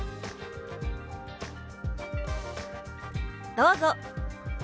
どうぞ！